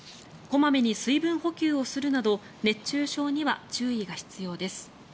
小まめに水分補給をするなど熱中症には注意が必要です。